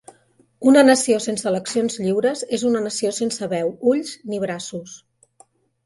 Una nació sense eleccions lliures és una nació sense veu, ulls ni braços.